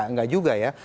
nggak juga ya